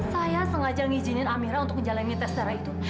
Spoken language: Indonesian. saya sengaja ngizinin amira untuk menjalani tes darah itu